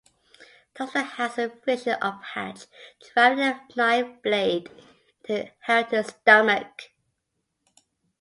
Thompson has a vision of Hatch driving a knife blade into Helton's stomach.